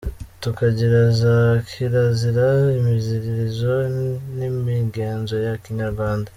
Tukagira za kirazira, imiziririzo, n'imigenzo ya Kinyarwanda.